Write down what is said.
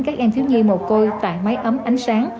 các em thiếu nhi mồ côi tặng máy ấm ánh sáng